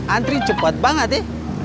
antri cepat banget ya